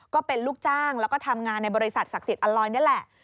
ก็เป็นลูกจ้างแล้วก็ทำงานในบริษัทศักดิ์สิทธิอัลลอยนี่แหละ